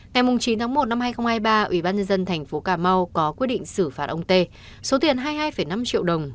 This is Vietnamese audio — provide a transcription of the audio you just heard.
ngày chín tháng một năm hai nghìn hai mươi ba ủy ban nhân dân thành phố cà mau có quyết định xử phạt ông tê số tiền hai mươi hai năm triệu đồng